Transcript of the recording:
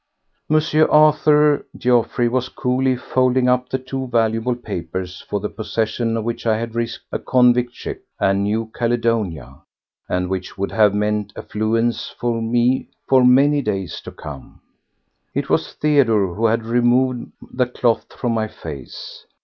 M. Arthur Geoffroy was coolly folding up the two valuable papers for the possession of which I had risked a convict ship and New Caledonia, and which would have meant affluence for me for many days to come. It was Theodore who had removed the cloth from my face.